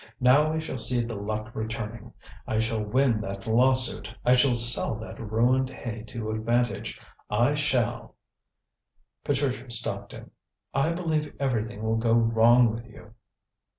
"Now we shall see the luck returning! I shall win that lawsuit; I shall sell that ruined hay to advantage; I shall " Patricia stopped him. "I believe everything will go wrong with you."